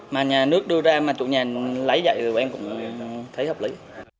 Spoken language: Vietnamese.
mà nhà nước đưa ra mà chủ nhà lấy vậy thì em cũng thấy hợp lý